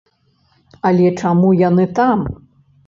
Але чаму яны там?